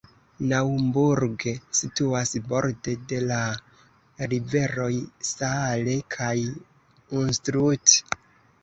Naumburg situas borde de la riveroj Saale kaj Unstrut.